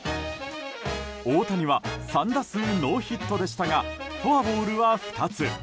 大谷は３打数ノーヒットでしたがフォアボールは２つ。